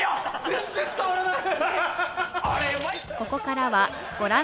全然伝わらない。